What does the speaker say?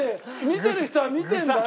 見てる人は見てるんだよ！